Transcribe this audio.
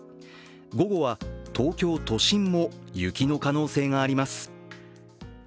午後は東京都心も雪の可能性があります。